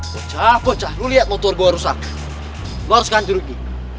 pocah pocah lu liat motor gua rusak lu harus ganti rugi